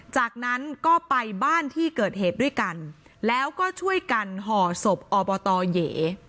จากนั้นก็ไปบ้านที่เกิดเหตุด้วยกันแล้วก็ช่วยกันห่อศพอบตเหย